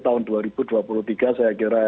tahun dua ribu dua puluh tiga saya kira